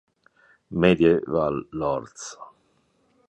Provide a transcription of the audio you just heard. Medieval Lords